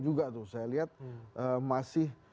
juga tuh saya lihat masih